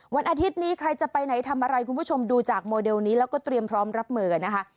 วันอาทิตย์นี้ใครจะไปไหนทำอะไรคุณผู้ชมดูจากโมเดลนี้แล้วก็เตรียมพร้อมรับมือนะคะ